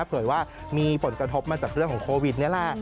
เผยว่ามีผลกระทบมาจากเรื่องของโควิดนี่แหละ